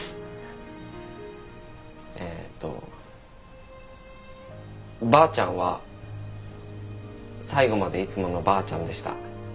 ええとばあちゃんは最後までいつものばあちゃんでした。